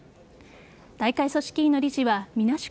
大会組織委の理事はみなし